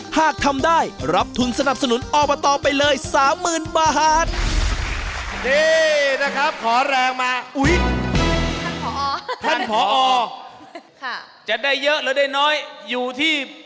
หากทำได้รับทุนสนับสนุนอบตไปเลย๓๐๐๐บาท